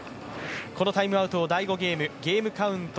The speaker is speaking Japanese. このタイムアウトを第５ゲーム、ゲームカウント